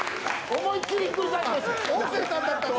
思いっきりひっくり返ってた。